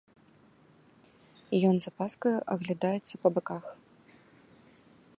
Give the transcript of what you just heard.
Ён з апаскаю аглядаецца па баках.